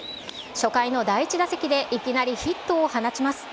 初回の第１打席でいきなりヒットを放ちます。